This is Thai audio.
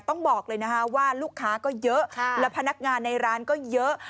ต้องบอกเลยนะคะว่าลูกค้าก็เยอะและพนักงานในร้านก็เยอะ